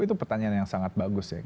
itu pertanyaan yang sangat bagus ya